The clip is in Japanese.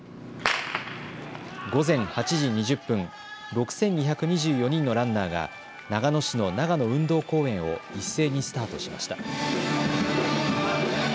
午前８時２０分、６２２４人のランナーが長野市の長野運動公園を一斉にスタートしました。